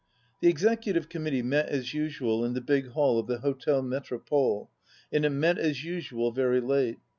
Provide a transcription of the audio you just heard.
The Executive Committee met as usual in the big hall of the Hotel Metropole, and it met as usual very late.